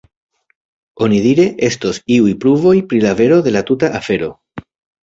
Onidire estos iuj pruvoj pri la vero de la tuta afero.